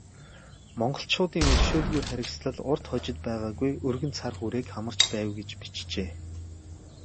Монголчуудын өршөөлгүй харгислал урьд хожид байгаагүй өргөн цар хүрээг хамарч байв гэж бичжээ.